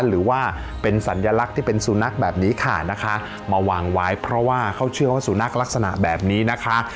หรือว่าเป็นสัญลักษณ์ที่เป็นสุนัขแบบนี้ค่ะนะคะมาวางไว้เพราะว่าเขาเชื่อว่าสุนัขลักษณะแบบนี้นะคะ